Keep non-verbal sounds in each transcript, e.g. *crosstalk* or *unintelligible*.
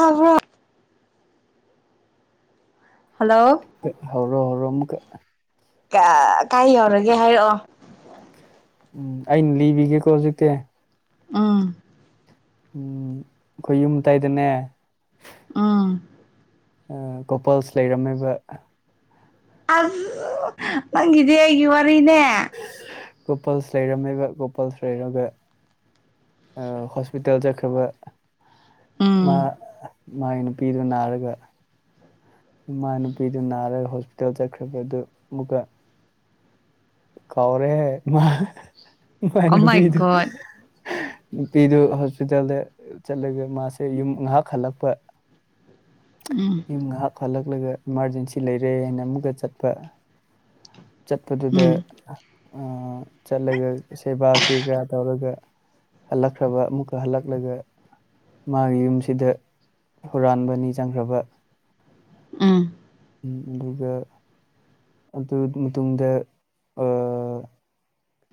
ꯑꯍꯣ ꯍꯜꯂꯣ ꯀ ꯍꯧꯔꯣ ꯍꯧꯔꯣ ꯑꯃꯨꯛꯀ ꯀꯥ ꯀꯥꯏ ꯌꯧꯔꯒꯦ ꯍꯥꯏꯔꯛꯑꯣ ꯎꯝ ꯑꯩꯅ ꯂꯤꯕꯤꯒꯦꯀꯣ ꯍꯧꯖꯤꯛꯇꯤ ꯎꯝ ꯎꯝ ꯑꯩꯈꯣꯏ ꯌꯨꯝ ꯇꯥꯏꯗꯅꯦ ꯑ ꯎꯝ ꯀꯣꯄꯜꯁ ꯂꯩꯔꯝꯃꯦꯕ ꯑꯁ ꯅꯪꯒꯤꯖꯦ ꯑꯩꯒꯤ ꯋꯥꯔꯤꯅꯦ ꯀꯣꯄꯜꯁ ꯂꯩꯔꯝꯃꯦꯕ ꯀꯣꯄꯜꯁ ꯂꯩꯔꯒ ꯑ ꯍꯣꯁꯄꯤꯇꯥꯜ ꯆꯠꯈ꯭ꯔꯕ ꯃꯥ ꯎꯝ ꯃꯥꯏ ꯅꯨꯄꯤꯗꯨ ꯅꯥꯔꯒ ꯃꯥ ꯅꯨꯄꯤꯗꯨ ꯅꯥꯔꯒ ꯍꯣꯁꯄꯤꯇꯥꯜ ꯆꯠꯈ꯭ꯔꯕꯗꯨ ꯑꯃꯨꯛꯀ ꯀꯥꯎꯔꯦ ꯃꯥ ꯃꯥꯏ ꯑꯣ ꯅꯨꯄꯤꯗꯨ ꯒꯣꯠ ꯅꯨꯄꯤꯗꯨ ꯍꯣꯁꯄꯤꯇꯥꯜꯗ ꯆꯠꯂꯒ ꯃꯥꯁꯦ ꯌꯨꯝ ꯉꯍꯥꯛ ꯍꯜꯂꯛꯄ ꯎꯝ ꯌꯨꯝ ꯉꯍꯥꯛ ꯍꯜꯂꯛꯂꯒ ꯏꯃꯥꯔꯖꯦꯟꯁꯤ ꯂꯩꯔꯦ ꯅ ꯑꯃꯨꯛꯀ ꯆꯠꯄ ꯆꯠꯄꯗꯨꯗ ꯎꯝ ꯑ ꯆꯠꯂꯒ ꯁꯦꯕꯥ ꯀꯔꯤ ꯀꯔꯥ ꯇꯧꯔꯒ ꯍꯜꯂꯛꯈ꯭ꯔꯕ ꯑꯃꯨꯛꯀ ꯍꯜꯂꯛꯂꯒ ꯃꯥꯒꯤ ꯌꯨꯝꯁꯤꯗ ꯍꯨꯔꯥꯟꯕ ꯑꯅꯤ ꯆꯪꯈ꯭ꯔꯕ ꯎꯝ ꯎꯝ ꯑꯗꯨꯒ ꯑꯗꯨꯠ ꯃꯇꯨꯡꯗ ꯑ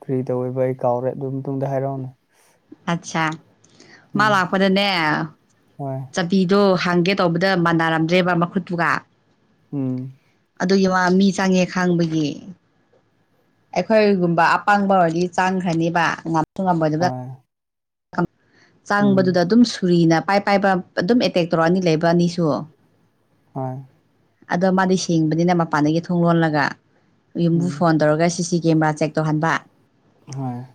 ꯀꯔꯤ ꯇꯧꯋꯦꯕ ꯑꯩ ꯀꯥꯎꯔꯦ ꯑꯗꯨ ꯃꯇꯨꯡꯗ ꯍꯥꯏꯔꯧꯅꯦ ꯑꯠꯁꯥ ꯎꯝ ꯃꯥꯥ ꯂꯥꯛꯄꯗꯅꯦ ꯍꯣꯏ ꯆꯠ ꯄꯤꯗꯣ ꯍꯥꯡꯒꯦ ꯇꯧꯕꯗ ꯃꯥꯟꯅꯔꯝꯗ꯭ꯔꯦꯕ ꯃꯈꯨꯠꯇꯨꯒ ꯎꯝ ꯑꯗꯨꯒꯤ ꯋꯥ ꯃꯤ ꯆꯪꯉꯦ ꯈꯥꯡꯕꯒꯤ ꯑꯩꯈꯣꯏꯒꯨꯝꯕ ꯑꯄꯪꯕ ꯑꯣꯏꯔꯗꯤ ꯆꯥꯡꯈ꯭ꯔꯅꯤꯕ ꯉꯝꯁꯨ ꯉꯝꯃꯣꯏꯗꯕꯗ ꯍꯣꯏ ꯑꯝ ꯎꯝ ꯆꯥꯡꯕꯗꯨꯗ ꯑꯗꯨꯝ ꯁꯨꯔꯤꯅ ꯄꯥꯏ ꯄꯥꯏꯕ ꯑꯗꯨꯝ ꯑꯦꯇꯦꯛ ꯇꯧꯔꯛꯑꯅꯤ ꯂꯩꯕ ꯑꯅꯤꯁꯨ ꯍꯣꯏ ꯑꯗꯣ ꯃꯥꯗꯤ ꯁꯤꯡꯕꯅꯤꯅ ꯃꯄꯥꯟꯗꯒꯤ ꯊꯣꯡ ꯂꯣꯜꯂꯒ ꯌꯨꯝꯕꯨ ꯎꯝ ꯐꯣꯟ ꯇꯧꯔꯒ ꯁꯤ ꯁꯤ ꯀꯦꯃꯦꯔꯥ ꯆꯦꯛ ꯇꯧꯍꯟꯕꯥ ꯍꯣꯏ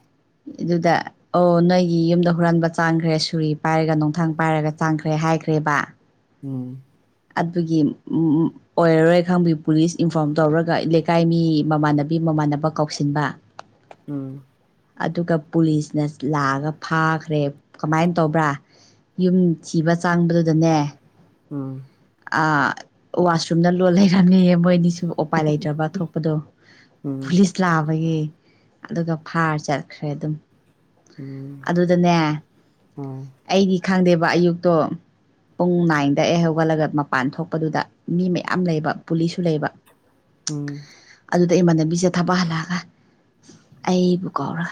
ꯑꯗꯨꯗ ꯑꯣ ꯅꯣꯏꯒꯤ ꯌꯨꯝꯗ ꯍꯨꯔꯥꯟꯕ ꯆꯥꯡꯈ꯭ꯔꯦ ꯁꯨꯔꯤ ꯄꯥꯏꯔꯒ ꯅꯣꯡꯊꯥꯡ ꯄꯥꯏꯔꯒ ꯆꯥꯡꯈ꯭ꯔꯦ ꯍꯥꯏꯈ꯭ꯔꯦꯕ ꯎꯝ ꯑꯗꯨꯒꯤ ꯎ ꯎꯝ ꯑꯣꯏꯔꯔꯣꯏ ꯈꯪꯕꯒꯤ ꯄꯨꯂꯤꯁ ꯏꯟꯐꯣꯔꯝ ꯇꯧꯔꯒ ꯂꯩꯀꯥꯏ ꯃꯤ ꯃꯃꯥꯟꯅꯕꯤ ꯃꯃꯥꯟꯅꯕ ꯀꯧꯁꯤꯟꯕ ꯎꯝ ꯑꯗꯨꯒ ꯄꯨꯂꯤꯁꯅ ꯂꯥꯛꯑꯒ ꯐꯥꯈ꯭ꯔꯦ ꯀꯃꯥꯏꯟ ꯇꯧꯕ꯭ꯔꯥ ꯌꯨꯝ ꯊꯤꯕ ꯆꯥꯡꯕꯗꯨꯗꯅꯦ ꯎꯝ ꯑ ꯋꯥꯁꯔꯨꯝꯗ ꯂꯣꯠ ꯂꯩꯔꯝꯃꯦꯌꯦ ꯃꯣꯏꯅꯤꯁꯨ ꯑꯣꯄꯥꯏ ꯂꯩꯇ꯭ꯔꯕ ꯊꯣꯛꯄꯗꯣ ꯎꯝ ꯄꯨꯂꯤꯁ ꯄꯂꯥꯕꯒꯤ ꯑꯗꯨꯒ ꯐꯥꯔ ꯆꯠꯈ꯭ꯔꯦ ꯑꯗꯨꯝ ꯑꯗꯨꯗꯅꯦ ꯎꯝ ꯑꯩꯒꯤ ꯈꯪꯗꯦꯕ ꯑꯌꯨꯛꯇꯣ ꯄꯨꯡ ꯅꯥꯏꯟꯗ ꯑꯩ ꯍꯧꯒꯠꯂꯒ ꯃꯄꯥꯟ ꯊꯣꯛꯄꯗꯨꯗ ꯃꯤ ꯃꯌꯥꯝ ꯂꯩꯕ ꯄꯨꯂꯤꯁꯁꯨ ꯂꯩꯕ ꯎꯝ ꯑꯗꯨꯗ ꯏꯃꯥꯟꯅꯕꯤꯁꯦ ꯊꯕꯛ ꯍꯜꯂꯛꯑꯒ ꯑꯩꯕꯨ ꯀꯧꯔ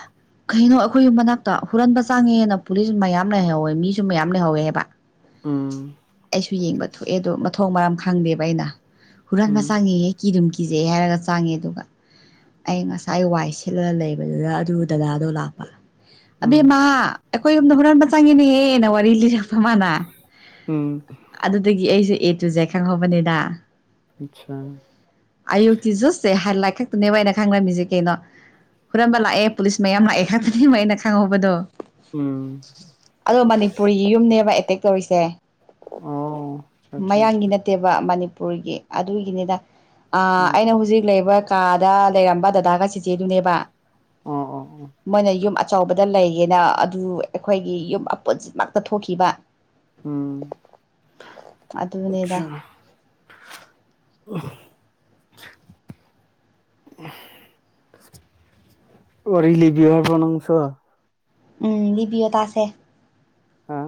ꯀꯩꯅꯣ ꯑꯈꯣꯏ ꯌꯨꯝ ꯃꯅꯥꯛꯇ ꯍꯨꯔꯟꯕ ꯆꯥꯡꯉꯦꯅ ꯄꯨꯂꯤꯁ ꯃꯌꯥꯝ *unintelligible* ꯃꯤꯁꯨ ꯃꯌꯥꯝ ꯂꯩꯍꯧꯋꯦꯕ ꯎꯝ ꯁꯨ ꯌꯦꯡꯕ ꯊꯣꯛꯑꯦ ꯑꯗꯣ ꯃꯊꯣꯡ ꯃꯔꯝ ꯈꯪꯗꯦꯕ ꯑꯩꯅ ꯎꯝ ꯍꯨꯔꯥꯟꯕ ꯆꯪꯉꯦꯌꯦ ꯀꯤꯗꯨꯝ ꯀꯤꯖꯩ ꯍꯥꯏꯔꯒ ꯆꯥꯡꯉꯦ ꯑꯗꯨꯒ ꯑꯩ ꯉꯁꯥꯏ ꯋꯥꯏ ꯁꯤꯠꯂꯒ ꯂꯩꯕꯗꯨꯗ ꯑꯗꯨ ꯗꯗꯥꯗꯣ ꯂꯥꯛꯄ ꯎꯝ ꯑꯕꯦꯝꯃꯥ ꯑꯩꯈꯣꯏ ꯌꯨꯝꯗ ꯍꯨꯔꯥꯟꯕ ꯆꯪꯉꯤꯅꯦꯍꯦꯅ ꯋꯥꯔꯤ ꯂꯤꯔꯛꯄ ꯃꯥꯅ ꯎꯝ ꯑꯗꯨꯗꯒꯤ ꯑꯩꯁꯨ ꯑꯦ ꯇꯨꯖꯦ ꯈꯪꯍꯧꯕꯅꯤꯗ ꯑꯠꯁꯥ ꯑꯌꯨꯛꯇꯤ ꯖꯨꯁ ꯁ‌ꯦ ꯍꯂꯛ ꯈꯛꯇꯅꯦꯕ ꯑꯩꯅ ꯈꯪꯂꯝꯃꯤꯖ‌ꯦ ꯀꯩꯅꯣ ꯍꯨꯔꯥꯟꯕ ꯂꯥꯛꯑꯦ ꯄꯨꯂꯤꯁ ꯃꯌꯥꯝ ꯂꯥꯛꯑꯦ ꯈꯛꯇꯅ‌ꯦꯕ ꯑꯩꯅ ꯈꯪꯍꯧꯕꯗꯣ ꯎꯝ ꯑꯗꯣ ꯃꯅꯤꯄꯨꯔꯤꯒꯤ ꯌꯨꯝꯅꯦꯕ ꯑꯦꯇꯦꯛ ꯇꯧꯔꯤꯁꯦ ꯑꯣ ꯑꯆꯥ ꯑꯆꯥ ꯃꯌꯥꯡꯒꯤ ꯅꯠ ꯇꯦꯕ ꯃꯅꯤꯄꯨꯔꯒꯤ ꯑꯗꯨꯒꯤꯅꯤꯗ ꯑꯥ ꯎꯝ ꯑꯩꯅ ꯍꯨꯖꯤꯛ ꯂꯩꯕ ꯀꯥꯗ ꯂꯩꯔꯝꯕ ꯗꯗꯥꯒ ꯆꯤꯆꯦꯗꯨꯅꯦꯕ ꯑꯣ ꯑꯣ ꯑꯣ ꯃꯣꯏꯅ ꯌꯨꯝ ꯑꯠ ꯆꯥꯎꯕꯗ ꯂꯩꯒꯦꯅ ꯑꯗꯨ ꯑꯩꯈꯣꯏꯒꯤ ꯌꯨꯝ ꯑꯄꯨꯟꯁꯤꯃꯛꯇ ꯊꯣꯛꯈꯤꯕ ꯎꯝ ꯑ‌ꯣꯛꯁꯥ ꯑꯗꯨꯅꯦꯗ *unintelligible* ꯋꯥꯔꯤ ꯂꯤꯕꯤꯌ‌ꯣ ꯍꯥꯏꯕ꯭ꯔꯣ ꯅꯪꯁꯨ ꯎꯝ ꯂꯤꯕꯤꯌꯣ ꯇꯥꯁꯦ ꯍꯥ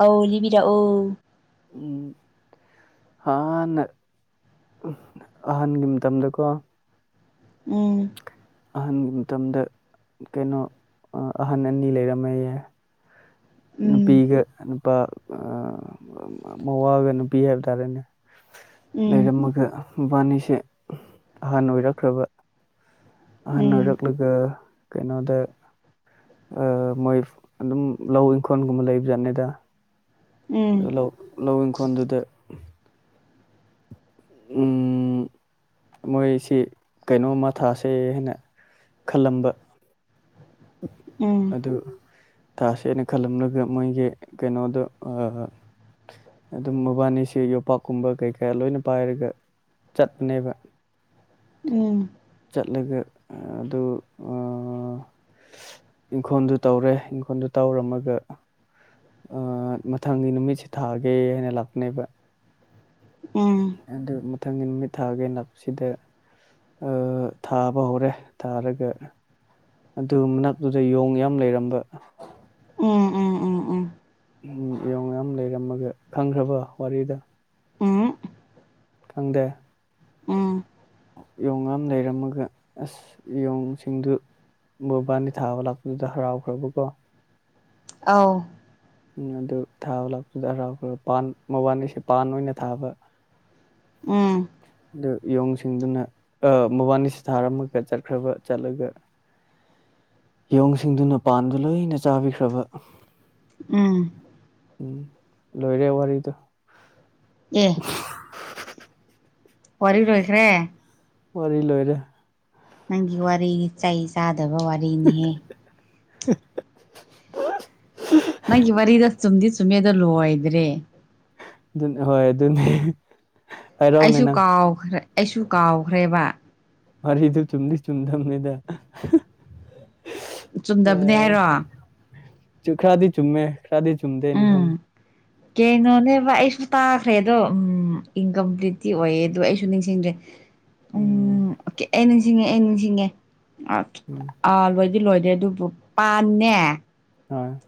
ꯑꯧ ꯂꯤꯕꯤꯔꯛꯑꯣ ꯎꯝ ꯍꯥꯟꯅ ꯑꯍꯟꯒꯤ ꯃꯇꯝꯗꯀꯣ ꯎꯝ ꯑꯍꯟꯒꯤ ꯃꯇꯝꯗ ꯀꯩꯅꯣ ꯑꯥ ꯑꯍꯟ ꯑꯅꯤ ꯂꯩꯔꯝꯃꯦꯌꯦ ꯎꯝ ꯅꯨꯄꯤꯒ ꯅꯨꯄꯥ ꯑꯥ ꯃꯋꯥꯒ ꯅꯨꯄꯤ ꯍꯥꯏꯕ ꯇꯥꯔꯦꯅꯦ ꯎꯝ ꯂꯩꯔꯝꯃꯒ ꯃꯕꯥꯅꯤꯁꯦ ꯑꯍꯥꯟ ꯑꯣꯏꯔꯛꯈ꯭ꯔꯕ ꯑꯍꯅ ꯎꯝ ꯑꯣꯏꯔꯛꯂꯒ ꯀꯩꯅꯣꯗ ꯑꯥ ꯃꯣꯏ ꯑꯗꯨꯝ ꯂꯧ ꯏꯪꯈꯣꯜꯒꯨꯝꯕ ꯂꯩꯕ ꯖꯥꯠꯅꯤꯗ ꯎꯝ ꯂꯧ ꯂꯧ ꯏꯪꯈꯣꯟꯗꯨꯗ *unintelligible* ꯃꯣꯏꯁꯤ ꯀꯩꯅꯣꯝꯃ ꯊꯥꯁꯦ ꯍꯥꯏꯅ ꯈꯂꯝꯕ ꯎꯝ ꯑꯗꯨ ꯊꯥꯁꯦꯅ ꯈꯂꯝꯔꯒ ꯃꯣꯏꯒꯤ ꯀꯩꯅꯣꯗꯣ ꯑꯥ ꯑꯗꯨꯝ ꯃꯕꯥꯅꯤꯁꯦ ꯌꯣꯄꯥꯛꯀꯨꯝꯕ ꯀꯩꯀꯥ ꯂꯣꯏꯅ ꯄꯥꯏꯔꯒ ꯆꯠꯄꯅ‌ꯦꯕ ꯎꯝ ꯆꯠꯂꯒ ꯑꯥ ꯑꯗꯨ ꯑꯥ ꯏꯪꯈꯣꯟꯗꯨ ꯇꯧꯔꯦ ꯏꯪꯈꯣꯟꯗꯨ ꯇꯧꯔꯝꯃꯒ ꯑꯥ ꯃꯊꯪꯒꯤ ꯅꯨꯃꯤꯠꯁꯦ ꯊꯥꯒꯦ ꯍꯥꯏꯅ ꯂꯥꯛꯄꯅꯦꯕ ꯎꯝ ꯑꯗꯨ ꯃꯊꯪꯒꯤ ꯅꯨꯃꯤꯠ ꯊꯥꯒꯦꯟ ꯂꯥꯛꯄꯁꯤꯗ ꯑꯥ ꯊꯥꯕ ꯍꯧꯔꯦ ꯊꯥ ꯔꯒ ꯑꯗꯨ ꯃꯅꯥꯛꯇꯨꯗ ꯌꯣꯡ ꯌꯥꯝ ꯂꯩꯔꯝꯕ ꯎꯝ ꯎꯝ ꯎꯝ ꯎꯝ ꯌꯣꯡ ꯃꯌꯥꯝ ꯂꯩꯔꯝꯃꯒ ꯈꯪꯈ꯭ꯔꯕ ꯋꯥꯔꯤꯗꯣ ꯎꯝ ꯈꯪꯗꯦ ꯎꯝ ꯌꯣꯡ ꯉꯥꯝ ꯂꯩꯔꯝꯃꯒ ꯑꯁ ꯌꯣꯡꯁꯤꯡꯗꯨ ꯃꯕꯥꯅꯤ ꯊꯥꯕ ꯂꯥꯛꯄꯗꯨꯗ ꯍꯔꯥꯎꯈ꯭ꯔꯕ ꯀꯣ ꯑꯥꯎ ꯎꯝ ꯑꯗꯨ ꯊꯥꯕ ꯂꯥꯛꯄꯗꯨꯗ ꯍꯔꯥꯎꯈ꯭ꯔ ꯄꯥꯟ ꯃꯕꯥꯅꯤꯁꯦ ꯄꯥꯟ ꯑꯣꯏꯅ ꯊꯥꯕ ꯎꯝ ꯗꯨ ꯌꯣꯡꯁꯤꯡꯗꯨꯅ ꯑ ꯃꯕꯥꯅꯤꯁꯦ ꯊꯥꯔꯝꯃꯒ ꯆꯠꯈ꯭ꯔꯕ ꯆꯠꯂꯒ ꯌꯣꯡꯁꯤꯡꯗꯨꯅ ꯄꯥꯟꯗꯨ ꯂꯣꯏꯅ ꯆꯥꯕꯤꯈ꯭ꯔꯕ ꯎꯝ ꯎꯝ ꯂꯣꯏꯔꯦ ꯋꯥꯔꯤꯗꯣ ꯑꯦ ꯋꯥꯔꯤ ꯂꯣꯏꯈ꯭ꯔꯦ ꯋꯥꯔꯤ ꯂꯣꯏꯔꯦ ꯅꯪꯒꯤ ꯋꯥꯔꯤ ꯆꯩ ꯆꯥꯗꯧꯕ ꯋꯥꯔꯤꯅꯤꯍꯦ *inaudible* ꯅꯪꯒꯤ ꯋꯥꯔꯤꯗꯣ ꯆꯨꯝꯗꯤ ꯆꯨꯝꯃꯦ ꯗꯣ ꯂꯣꯏꯗ꯭ꯔꯦ ꯑꯗꯨꯅꯦ ꯍꯣꯏ ꯑꯗꯨꯅꯤ ꯑꯩꯁꯨ ꯀꯥꯎꯈ꯭ꯔꯦ ꯑꯩꯁꯨ ꯀꯥꯎꯈ꯭ꯔꯦꯕ ꯋꯥꯔꯤꯗꯨ ꯆꯨꯝꯗꯤ ꯆꯨꯝꯗꯥꯃꯤꯗ ꯆꯨꯝꯗꯕꯅꯦ ꯍꯥꯏꯔꯣ *unintelligible* ꯆꯨ ꯈ꯭ꯔꯗꯤ ꯆꯨꯝꯃꯦ ꯈ꯭ꯔꯗꯤ ꯆꯨꯃꯗꯦ ꯑꯩꯅ ꯈꯪꯕꯥ ꯎꯝ *inaudible* ꯀꯩꯅꯣꯅꯦꯕ ꯑꯩꯁꯨ ꯇꯥꯈ꯭ꯔꯦ ꯑꯗꯣ ꯎꯝ ꯏꯟꯀꯝꯄ꯭ꯂꯤꯠꯇꯤ ꯑꯣꯏꯌꯦ ꯑꯗꯣ ꯑꯩꯁꯨ ꯅꯤꯡꯁꯤꯡꯗ꯭ꯔꯦ ꯎꯝ ꯑꯣꯀꯦ ꯑꯩ ꯅꯤꯡꯁꯤꯡꯉꯦ ꯑꯩ ꯅꯤꯡꯁꯤꯡꯉꯦ *unintelligible* ꯑꯥ ꯂꯣꯏꯗꯤ ꯂꯣꯏꯗꯦ ꯑꯗꯨꯕꯨ ꯄꯥꯟꯅꯦ *unintelligible*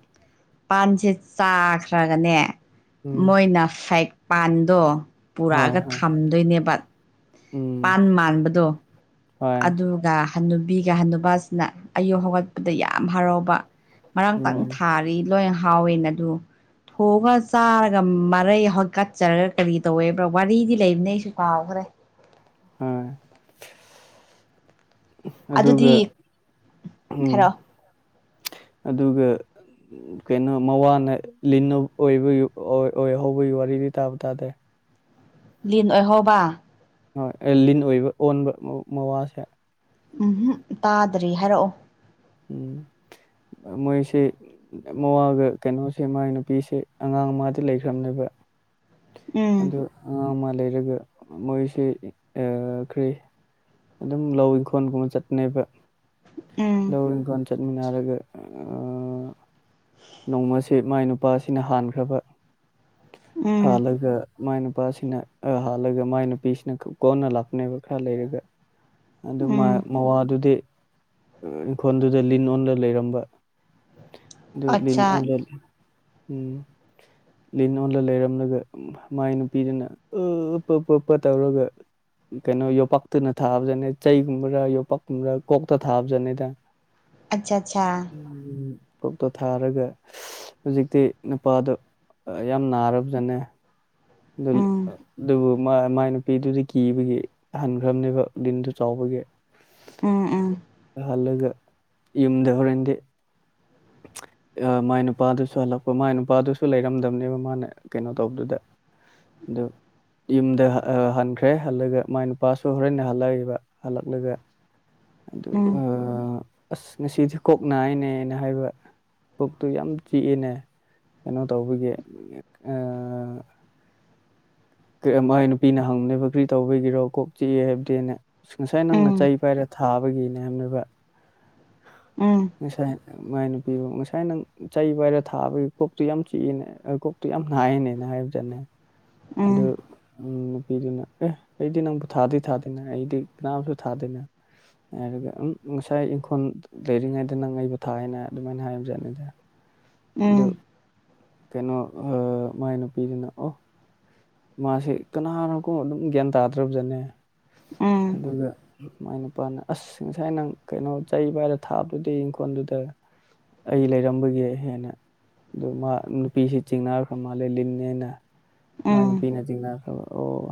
ꯄꯥꯟꯁꯦ ꯆꯥꯈ꯭ꯔꯒꯅꯦ ꯎꯝ ꯃꯣꯏꯅ ꯐꯦꯛ ꯄꯥꯟꯗꯣ ꯄꯨꯔꯛ ꯍꯣꯏ ꯑꯒ ꯍꯣꯏ ꯊꯝꯗꯣꯏꯅꯦꯕ ꯎꯝ ꯄꯥꯟ ꯃꯥꯟꯕꯗꯣ ꯍꯣꯏ ꯑꯗꯨꯒ ꯍꯟꯅꯨꯕꯤꯒ ꯍꯟꯅꯨꯕꯥꯒꯥ ꯁꯤꯅ ꯑꯌꯨꯛ ꯍꯧꯒꯠꯄꯗ ꯌꯥꯝ ꯍꯔꯥꯎꯕ ꯉꯔꯥꯡꯇꯪ ꯎꯝ ꯊꯥꯔꯤ ꯂꯣꯏ ꯍꯥꯎꯋꯦꯅ ꯑꯗꯨ ꯊꯣꯡꯉ ‌ ꯆꯥꯔꯒ ꯃꯔꯩ ꯍꯀꯠꯆꯔꯒ ꯀꯔꯤ ꯇꯧꯋꯦꯕ꯭ꯔꯥ ꯋꯥꯔꯤꯗꯤ ꯂꯩꯕꯅꯦ ꯑꯩꯁꯨ ꯀꯥꯎꯈ꯭ꯔꯦ ꯑ ꯑꯗꯨꯒ ꯑꯗꯨꯗꯤ ꯎꯝ ꯍꯥꯏꯔꯛꯑꯣ ꯑꯗꯨꯒ ꯀꯩꯅꯣ ꯃꯋꯥꯅ ꯂꯤꯟ ꯑꯣꯏꯕꯒꯤ ꯑꯣꯏꯍꯧꯕꯒꯤ ꯋꯥꯔꯤꯗꯤ ꯇꯥꯕ ꯇꯥꯗꯦ ꯂꯤꯟ ꯑꯣꯏꯍꯧꯕ ꯂꯤꯟ ꯑꯣꯏꯕ ꯑꯣꯟꯕ ꯃꯋꯥꯁꯦ ꯎꯝꯍꯨꯝ ꯇꯥꯗ꯭ꯔꯤ ꯍꯥꯏꯔꯛꯑꯣ ꯎꯝ ꯃꯣꯏꯁꯦ ꯃꯋꯥꯒ ꯀꯩꯅꯣꯁꯦ ꯃꯥꯏ ꯅꯨꯄꯤꯁꯦ ꯑꯉꯥꯡ ꯃꯥꯗꯤ ꯂꯩꯈ꯭ꯔꯝꯅꯦꯕ ꯎꯝ ꯑꯉꯥꯡ ꯑꯃ ꯂꯩꯔꯒ ꯃꯣꯏꯁꯦ ꯀꯔꯤ ꯑꯗꯨꯝ ꯂꯧ ꯏꯪꯈꯣꯜꯒꯨꯝꯕ ꯆꯠꯄꯅꯦꯕ ꯎꯝ ꯂꯧ ꯏꯪꯈꯣꯜ ꯆꯠꯃꯤꯟꯅꯔꯒ ꯅꯣꯡꯃꯁꯦ ꯃꯥꯏ ꯅꯨꯄꯥꯁꯤꯅ ꯍꯥꯟꯈ꯭ꯔꯕ ꯎꯝ ꯍꯥꯜꯂꯒ ꯃꯥꯏ ꯅꯨꯄꯥꯁꯤꯅ ꯍꯥꯜꯂꯒ ꯃꯥꯏ ꯅꯨꯄꯤꯁꯤꯅ ꯀꯣꯟꯅ ꯂꯥꯛꯄꯅꯦꯕ ꯈꯔ ꯂꯩꯔꯒ ꯑꯗꯨ ꯎꯝ ꯃꯥꯏ ꯃꯋꯥꯗꯨꯗꯤ ꯏꯪꯈꯣꯜꯗꯨꯗ ꯂꯤꯟ ꯑꯣꯟꯂ ꯂꯩꯔꯝꯕ ꯑꯗꯨ ꯂꯤꯟ ꯑꯠꯆꯥ ꯑꯣꯟꯂꯦ ꯎꯝ ꯂꯤꯟ ꯑꯣꯜꯂ ꯂꯩꯔꯝꯂꯒ ꯃꯥꯏ ꯅꯨꯄꯤꯗꯨꯅ ꯑ ꯄꯥ ꯄꯥ ꯇꯧꯔꯒ ꯀꯩꯅꯣ ꯌꯣꯄꯥꯛꯇꯨꯅ ꯊꯥꯕꯗꯅꯦ ꯆꯩꯒꯨꯝꯕ꯭ꯔꯥ ꯌꯣꯄꯥꯛꯀꯨꯝꯕ꯭ꯔꯥ ꯀꯣꯛꯇ ꯊꯥꯕꯗꯅꯦꯗꯥ ꯑꯠꯁꯥ ꯑꯠꯁꯥ ꯎꯝ ꯀꯣꯛꯇꯣ ꯊꯥꯔꯒ ꯍꯨꯖꯤꯛꯇꯤ ꯅꯨꯄꯥꯗꯣ ꯑ ꯌꯥꯝ ꯅꯥꯔꯕꯖꯥꯅꯦ ꯎꯝ ꯎꯝ ꯎꯝ ꯎꯝ ꯎꯝ ꯑꯗꯨ ꯑꯗꯨꯕꯨ ꯃꯥ ꯃꯥꯏ ꯅꯨꯄꯤꯗꯨꯗꯤ ꯀꯤꯕꯒꯤ ꯍꯟꯈ꯭ꯔꯕꯅꯦꯕ ꯂꯤꯟꯗꯨ ꯆꯥꯎꯕꯒꯤ ꯍꯜꯂꯒ ꯌꯨꯝꯗ ꯍꯣꯔꯦꯟꯗꯤ ꯑꯥ ꯃꯥꯏ ꯅꯨꯄꯥꯗꯨꯁꯨ ꯍꯜꯂꯛꯄ ꯃꯥꯏ ꯅꯨꯄꯥꯗꯨꯁꯨ ꯂꯩꯔꯝꯗꯕꯅꯦꯕ ꯃꯥꯅ ꯀꯩꯅꯣ ꯇꯧꯕꯗꯨꯗ ꯑꯗꯨ ꯌꯨꯝꯗ ꯍꯥ ꯍ ꯍꯟꯈ꯭ꯔꯦ ꯍꯜꯂꯒ ꯃꯥꯏ ꯅꯨꯄꯥꯁꯨ ꯍꯣꯔꯦꯟꯅ ꯍꯜꯂꯛꯑꯦꯕ ꯍꯜꯂꯛꯂꯒ ꯑꯗꯨ ꯑꯥ ꯑꯁ ꯉꯁꯤꯗꯤ ꯀꯣꯛ ꯅꯥꯏꯅꯦꯅ ꯍꯥꯏꯕ ꯄꯨꯛꯇꯨ ꯌꯥꯝ ꯆꯤꯛꯏꯅꯦ ꯀꯩꯅꯣ ꯇꯧꯕꯒꯤ ꯑꯥ ꯀꯔ ꯑ ꯃꯥꯏ ꯅꯨꯄꯤꯅ ꯍꯪꯕꯅꯦꯕ ꯀ꯭ꯔꯤ ꯇꯧꯕꯒꯤꯔꯣ ꯀꯣꯛ ꯆꯤꯑꯦ ꯍꯥꯏꯕꯗꯤꯅ ꯑꯁ ꯉꯁꯥꯏ ꯅꯪꯅ ꯆꯩ ꯄꯥꯏꯔ ꯊꯥꯕꯒꯤꯅꯦ ꯍꯥꯏꯕꯅꯦꯕ ꯎꯝ ꯉꯁꯥꯏ ꯃꯥꯏ ꯅꯨꯄꯤꯕꯨ ꯉꯁꯥꯏ ꯅꯪ ꯆꯩ ꯄꯥꯏꯔ ꯊꯥꯕꯒꯤ ꯀꯣꯛꯇꯨ ꯌꯥꯝ ꯆꯤꯛꯏꯅꯦ ꯑ ꯀꯣꯛ ꯇꯨ ꯌꯥꯝ ꯅꯥꯏꯅꯦꯅ ꯍꯥꯏꯕꯖꯥꯠꯅꯦ ꯑꯗꯨ ꯎꯝ ꯅꯨꯄꯤꯗꯨꯅ ꯑꯦ ꯑꯩꯗꯤ ꯅꯪꯕꯨ ꯊꯥꯗꯤ ꯊꯥꯗꯦꯅꯦ ꯑꯩꯗꯤ ꯀꯅꯥꯝꯁꯨ ꯊꯥꯗꯦꯅ ꯉꯥꯏꯔꯒ ꯎꯝ ꯉꯁꯥꯏ ꯏꯪꯈꯣꯜ ꯂꯩꯔꯤꯉꯩꯗ ꯅꯪ ꯑꯩꯕꯨ ꯊꯥꯏꯅ ꯑꯗꯨꯃꯥꯏꯅ ꯍꯥꯏꯕꯖꯥꯠꯅꯤꯗ ꯑꯗꯨ ꯎꯝ ꯀꯩꯅꯣ ꯑꯥ ꯃꯥꯏ ꯅꯨꯄꯤꯗꯨꯅ ꯑꯣ ꯃꯥꯁꯤ ꯀꯅꯥꯅꯣꯀꯣ ꯑꯗꯨꯝ ꯒ꯭ꯌꯥꯟ ꯇꯥꯗ꯭ꯔꯕꯖꯅꯤ ꯎꯝ ꯑꯗꯨꯒ ꯃꯥꯏ ꯅꯨꯄꯥꯅ ꯑꯁ ꯉꯁꯥꯏ ꯅꯪ ꯀꯩꯅꯣ ꯆꯩ ꯄꯥꯏꯔ ꯊꯥꯕꯗꯨꯗꯤ ꯏꯪꯈꯣꯜꯗꯨꯗ ꯑꯩ ꯂꯩꯔꯝꯕꯒꯤ ꯍꯦꯟꯅ ꯑꯗꯨ ꯃꯥ ꯅꯨꯄꯤꯁꯤ ꯆꯤꯡꯅꯈ꯭ꯔ ꯃꯥꯜꯂꯦ ꯂꯤꯟꯅꯦꯅ ꯃꯥꯏ ꯎꯝ ꯅꯨꯄꯤꯅ ꯆꯤꯡꯅꯈ꯭ꯔꯕ ꯑꯣ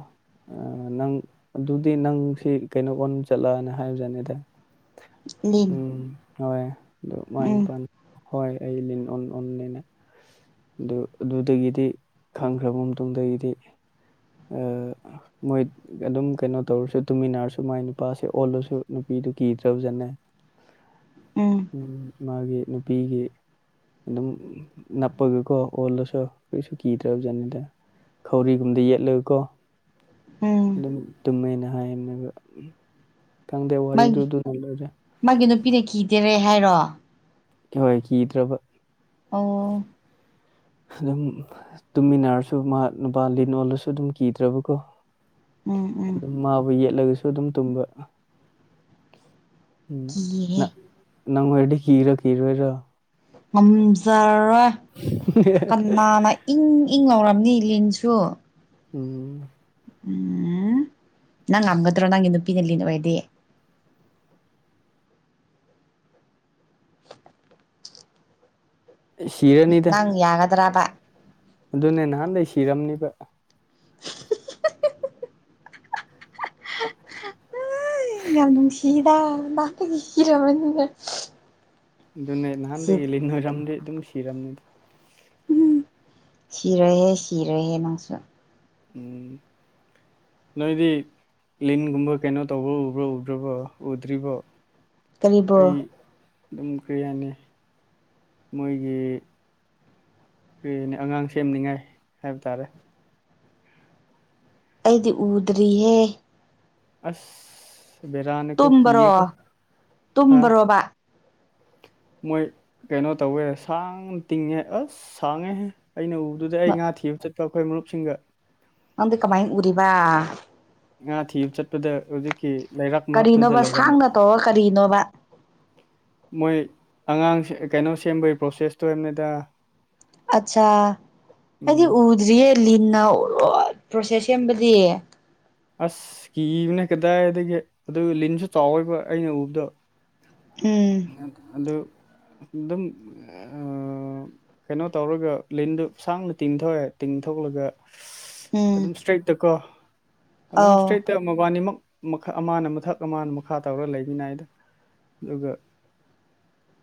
ꯑ ꯅꯪ ꯑꯗꯨꯗꯤ ꯅꯪ ꯁꯤ ꯀꯩꯅꯣ ꯑꯣꯟ ꯆꯠꯂꯅ ꯍꯥꯏꯕꯖꯥꯠꯅꯤꯗ ꯂꯤꯟ ꯎꯝ ꯍꯣꯏ ꯑꯗꯨ ꯃꯥꯏ ꯎꯝ ꯅꯨꯄꯥꯅ ꯍꯣꯏ ꯑꯩ ꯂꯤꯟ ꯑꯣꯟ ꯑꯣꯟꯅꯤꯅ ꯑꯗꯨ ꯑꯗꯨꯗꯒꯤꯗꯤ ꯈꯪꯈ꯭ꯔꯕ ꯇꯨꯡꯗꯒꯤꯗꯤ ꯑꯥ ꯃꯣꯏ ꯑꯗꯨꯝ ꯀꯩꯅꯣ ꯇꯧꯔꯁꯨ ꯇꯨꯃꯤꯟꯅꯔꯁꯨ ꯃꯥꯏ ꯅꯨꯄꯥꯁꯦ ꯑꯣꯜꯂꯁꯨ ꯅꯨꯄꯤꯗꯨ ꯀꯤꯗ꯭ꯔꯕꯖꯥꯠꯅꯦ ꯎꯝ ꯃꯥꯒꯤ ꯅꯨꯄꯤꯒꯤ ꯑꯗꯨꯝ ꯅꯞꯄꯒꯀꯣ ꯑꯣꯜꯂꯁꯨ ꯀꯩꯁꯨ ꯀꯤꯗ꯭ꯔꯕꯖꯥꯠꯅꯤꯗ ꯈꯧꯔꯤꯒꯨꯝꯕꯗ ꯌꯦꯠꯂꯒꯀꯣ ꯎꯝ ꯑꯗꯨꯝ ꯇꯨꯝꯃꯦꯅ ꯍꯥꯏꯕꯅꯦꯕ ꯈꯪꯗꯦ ꯋꯥꯔꯤꯗꯨ ꯃꯥꯒꯤ ꯑꯗꯨ ꯅ ꯂꯣꯏꯔꯦ ꯃꯥꯒꯤ ꯅꯨꯄꯤꯅ ꯀꯤꯗꯦꯔꯦ ꯍꯥꯏꯔꯣ ꯀꯤ ꯍꯣꯏ ꯀꯤꯗ꯭ꯔꯕ ꯑꯣ ꯑꯗꯨꯝ ꯇꯨꯝꯃꯤꯟꯅꯔꯁꯨ ꯃꯥ ꯅꯨꯄꯥ ꯂꯤꯟ ꯑꯣꯜꯂꯁꯨ ꯑꯗꯨꯝ ꯀꯤꯗ꯭ꯔꯕꯀꯣ ꯎꯝ ꯎꯝ ꯑꯗꯨꯝ ꯃꯥꯕꯨ ꯌꯦꯠꯂꯒꯁꯨ ꯑꯗꯨꯝ ꯇꯨꯝꯕ ꯎꯝ ꯅ ꯀꯤꯍꯦ ꯅꯪ ꯑꯣꯏꯔꯗꯤ ꯀꯤꯔ ꯀꯤꯔꯣꯏꯔꯣ ꯉꯝꯖꯔꯔꯣꯏ *unintelligible* ꯅꯥꯅꯥ ꯏꯪ ꯏꯪ ꯂꯥꯎꯔꯝꯅꯤ ꯂꯤꯟꯁꯨ ꯎꯝ ꯎꯝ ꯅꯪ ꯉꯝꯒꯗ꯭ꯔꯣ ꯅꯪꯒꯤ ꯅꯨꯄꯤꯅ ꯂꯤꯟ ꯑꯣꯏꯔꯗꯤ ꯁꯤꯔꯅꯤꯗ ꯅꯪ ꯌꯥꯒꯗ꯭ꯔꯥꯕꯥ ꯑꯗꯨꯅꯦ ꯅꯍꯥꯟꯗꯩ ꯁꯤꯔꯝꯅꯤꯕ ꯑꯩ ꯌꯥꯝ ꯅꯨꯡꯁꯤꯗ ꯅꯍꯥꯟꯗꯒꯤ ꯀꯤꯔꯕꯅꯤꯅꯦ ꯑꯗꯨꯅꯦ ꯅꯍꯥꯟꯗꯒꯤ ꯂꯤꯟ ꯑꯣꯏꯔꯝꯗꯤ ꯑꯗꯨꯝ ꯁꯤꯔꯝꯅꯤꯗ ꯍꯨꯝ ꯁꯤꯔꯦꯍꯦ ꯁꯤꯔꯦꯍꯦ ꯅꯪꯁꯨ ꯎꯝ ꯅꯣꯏꯗꯤ ꯂꯤꯟꯒꯨꯝꯕ ꯀꯩꯅꯣ ꯇꯧꯕ ꯎꯕ꯭ꯔꯥ ꯎꯈ꯭ꯔꯕ ꯎꯗ꯭ꯔꯤꯕꯣ ꯑꯩ ꯀꯔꯤꯕꯣ ꯑꯗꯨꯝ ꯀꯩ ꯍꯥꯏꯅꯤ ꯃꯣꯏꯒꯤ ꯀꯔꯤꯅ ꯑꯉꯥꯡ ꯁꯦꯝꯅꯤꯡꯉꯥꯏ ꯍꯥꯏꯕ ꯇꯥꯔꯦ ꯑꯩꯗꯤ ꯎꯗ꯭ꯔꯤꯍꯦ ꯑꯁ ꯕꯦꯔꯥꯅꯤꯀꯣ ꯇꯨꯝꯕꯔꯣ ꯀꯤꯌꯦꯀꯣ ꯍꯥ ꯇꯨꯝꯕꯔꯣꯕ ꯃꯣꯏ ꯀꯩꯅꯣ ꯇꯧꯌꯦ ꯁꯥꯡꯅ ꯇꯤꯡꯉꯦ ꯑꯁ ꯁꯥꯡꯉꯦꯍꯦ ꯑꯩꯅ ꯎꯗꯨꯗ ꯑꯩ ꯉꯥ ꯊꯤꯕ ꯆꯠꯄ ꯑꯩꯈꯣꯏ ꯃꯔꯨꯞꯁꯤꯡꯒ ꯑꯟꯗꯤ ꯀꯃꯥꯏ ꯎꯔꯤꯕ ꯉꯥ ꯊꯤꯕ ꯆꯠꯄꯗ ꯍꯧꯖꯤꯛꯀꯤ ꯂꯩꯔꯛ ꯃꯔꯛꯇꯨꯗ ꯀꯔꯤꯅꯣꯕ ꯂꯩꯔꯝꯕ ꯁꯥꯡꯅ ꯇꯧꯔ ꯀꯔꯤꯅꯣꯕ ꯃꯣꯏ ꯑꯉꯥꯡꯁꯦ ꯀꯩꯅꯣ ꯁꯦꯝꯕꯒꯤ ꯄ꯭ꯔꯣꯁꯦꯁꯇꯣꯅꯤꯗ ꯑꯠꯁꯥ ꯑꯩꯗꯤ ꯎꯝ ꯎꯗ꯭ꯔꯤꯌꯦ ꯂꯤꯟꯅ ꯂꯣꯏ ꯄ꯭ꯔꯣꯁꯦꯁ ꯁꯦꯝꯕꯗꯤ ꯑꯁ ꯀꯤꯕꯅꯦ ꯀꯗꯥꯏꯗꯒꯤ ꯑꯗꯨ ꯂꯤꯟꯁꯨ ꯆꯥꯎꯌꯤꯕ ꯑꯩꯅ ꯎꯕꯗꯣ ꯎꯝ ꯑꯗꯨ ꯑꯗꯨꯝ ꯑ ꯀꯩꯅꯣ ꯇꯧꯔꯒ ꯂꯤꯟꯗꯨ ꯁꯥꯡꯅ ꯇꯤꯡꯊꯣꯛꯑꯦ ꯇꯤꯡꯊꯣꯛꯂꯒ ꯎꯝ ꯑꯗꯨꯝ ꯏꯁꯇ꯭ꯔꯦꯠꯇꯀꯣ ꯑꯗꯨꯝ ꯑꯧ ꯏꯁꯇ꯭ꯔꯦꯠ ꯇ ꯃꯕꯥꯅꯤꯃꯛ ꯃꯈꯥ ꯑꯃꯅ ꯃꯊꯛ ꯑꯃꯅ ꯃꯈꯥ ꯇꯧꯔ ꯂꯩꯃꯤꯅꯩꯗ ꯑꯗꯨꯒ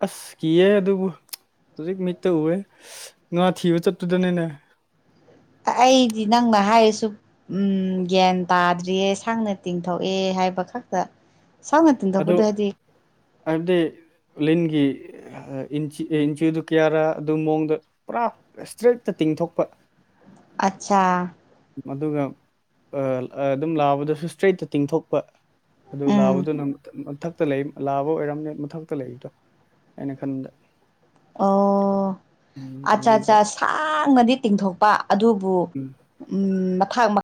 ꯑꯁ ꯀꯤꯌꯦ ꯑꯗꯨꯕꯨ ꯍꯧꯖꯤꯛ ꯃꯤꯠꯇ ꯎꯑꯦ ꯉꯥ ꯊꯤꯕ ꯆꯠꯄꯗꯅꯤꯅꯦ ꯑꯩꯗꯤ ꯅꯪꯅ ꯍꯥꯏꯔꯁꯨ ꯎꯝ ꯒ꯭ꯌꯥꯟ ꯇꯥꯗ꯭ꯔꯤꯌꯦ ꯁꯥꯡꯅ ꯇꯤꯡꯊꯣꯛꯑꯦ ꯍꯥꯏꯕ ꯈꯛꯇ ꯁꯥꯡꯅ‌ ꯇꯤꯡꯊꯣꯛꯄꯗꯗꯤ ꯑꯥꯏꯋꯞꯗꯤ ꯂꯤꯟꯒꯤ ꯏꯟꯆꯤ ꯏꯟꯆꯤꯗꯨ ꯀꯌꯥꯔꯥ ꯑꯗꯨ ꯃꯑꯣꯡꯗ ꯄꯨꯔꯥ ꯏꯁꯇ꯭ꯔꯦꯠꯇ ꯇꯤꯡꯊꯣꯛꯄ ꯑꯠꯆꯥ ꯑꯗꯨꯒ ꯑ ꯑ ꯑꯗꯨꯝ ꯂꯥꯕꯗꯨꯁꯨ ꯏꯁꯇ꯭ꯔꯦꯠꯇ ꯇꯤꯡꯊꯣꯛꯄ ꯑꯗꯨ ꯎꯝ ꯂꯥꯕꯗꯨꯅ ꯅꯪ ꯃꯊꯛꯇ ꯂꯩ ꯂꯥꯕ ꯑꯣꯏꯔꯝꯅꯦ ꯃꯊꯛꯇ ꯂꯩꯔꯤꯗꯣ ꯑꯩꯅ ꯈꯟꯕꯗ ꯑꯣ ꯎꯝ ꯑꯠꯆꯥ ꯑꯗꯨꯒ ꯑꯠꯆꯥ ꯁꯥꯡꯅꯗꯤ ꯇꯤꯡꯊꯣꯛꯄ ꯑꯗꯨꯕꯨ ꯎꯝ ꯃꯊꯛ